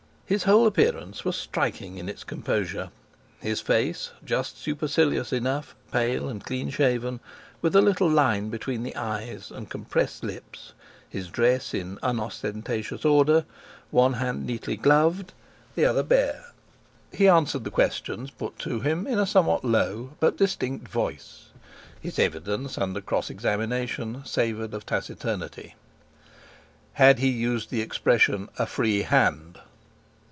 His whole appearance was striking in its composure. His face, just supercilious enough, pale and clean shaven, with a little line between the eyes, and compressed lips; his dress in unostentatious order, one hand neatly gloved, the other bare. He answered the questions put to him in a somewhat low, but distinct voice. His evidence under cross examination savoured of taciturnity. Had he not used the expression, "a free hand"?